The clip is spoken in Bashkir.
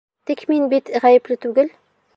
Тик мин бит ғәйепле түгел.